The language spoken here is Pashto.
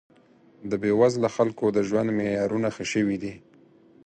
د بې وزله خلکو د ژوند معیارونه ښه شوي دي